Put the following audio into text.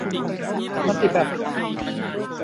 มัลติแบกซ์